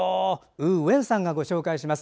ウー・ウェンさんがご紹介します。